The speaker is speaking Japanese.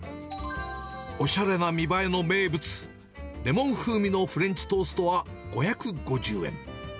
おしゃれな見栄えの名物、レモン風味のフレンチトーストは５５０円。